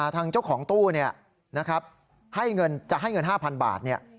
ทางเจ้าของตู้จะให้เงิน๕๐๐บาท